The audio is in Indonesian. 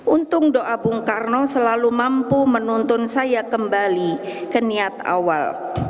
untung doa bung karno selalu mampu menuntun saya kembali ke niat awal